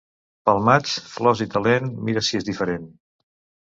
Pel maig, flors i talent, mira si és diferent.